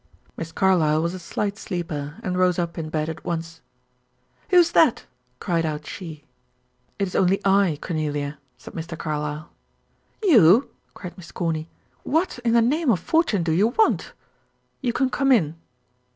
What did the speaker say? Miss Carlyle was a slight sleeper, and rose up in bed at once. "Who's that?" cried out she. "It is only I, Cornelia," said Mr. Carlyle. "You!" cried Miss Corny. "What in the name of fortune do you want? You can come in."